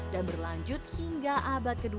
dan berlanjut hingga abad ke dua puluh